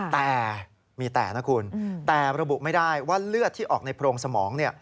แต่มีแต่นะคุณแต่ระบุไม่ได้ว่าเลือดที่ออกในโพรงสมองเนี่ย